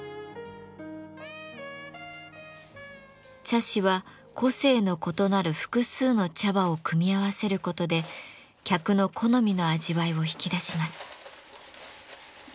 茶師は個性の異なる複数の茶葉を組み合わせることで客の好みの味わいを引き出します。